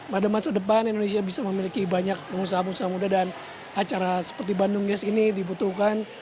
pada masa depan indonesia bisa memiliki banyak pengusaha pengusaha muda dan acara seperti bandung yes ini dibutuhkan